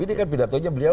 ini kan pidatonya beliau